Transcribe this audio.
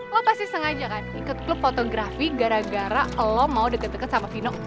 lo pasti sengaja kan ikut klub fotografi gara gara lo mau deket deket sama vino